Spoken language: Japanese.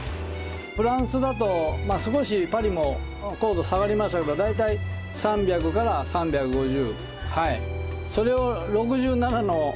フランスだと少しパリも硬度下がりますけど大体３００３５０。